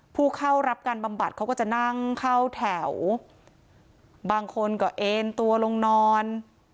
ผู้เข้ารับการบำบัดเขาก็จะนั่งเข้าแถวบางคนก็เอ็นตัวลงนอน